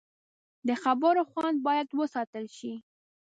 د خبرو خوند باید وساتل شي